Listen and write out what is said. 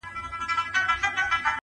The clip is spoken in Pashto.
چي د زړکي هره تياره مو روښنايي پيدا کړي-